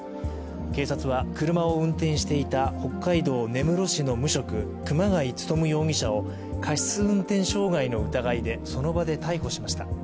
警察は車を運転していた北海道根室市の無職熊谷勉容疑者を過失運転傷害の疑いでその場で逮捕しました。